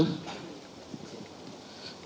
silakan kalau ada sesuatu